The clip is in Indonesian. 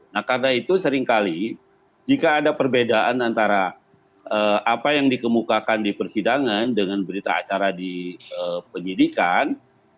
nah karena itu seringkali jika ada perbedaan antara apa yang dikemukakan di persidangan dengan berita acara di penyidikan